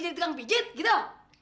jadi tukang pijet gitu